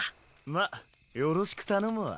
まっよろしく頼むわ。